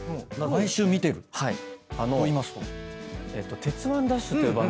毎週見てる？といいますと？